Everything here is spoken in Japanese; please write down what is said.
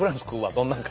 どんなんか。